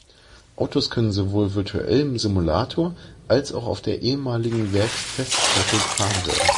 Autos können sowohl virtuell im Simulator als auch auf der ehemaligen Werks-Teststrecke gefahren werden.